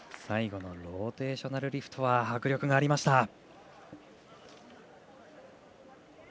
最後のローテーショナルリフトは迫力がありました。